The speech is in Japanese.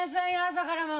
朝からもう。